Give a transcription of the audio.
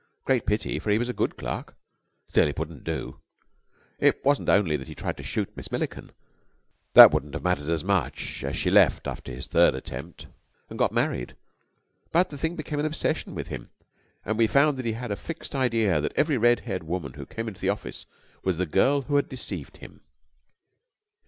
A great pity, for he was a good clerk. Still, it wouldn't do. It wasn't only that he tried to shoot Miss Milliken. That wouldn't have mattered so much, as she left after he had made his third attempt, and got married. But the thing became an obsession with him, and we found that he had a fixed idea that every red haired woman who came into the office was the girl who had deceived him.